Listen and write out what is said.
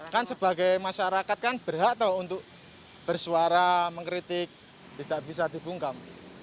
kan sebagai masyarakat kan berhak untuk bersuara mengkritik tidak bisa dibungkam